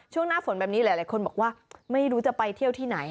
หน้าฝนแบบนี้หลายคนบอกว่าไม่รู้จะไปเที่ยวที่ไหน